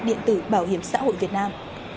điện tử bảo hiểm xã hội việt nam